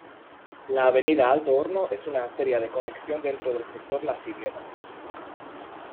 La avenida Alto Horno es una arteria de conexión dentro del sector Las Higueras.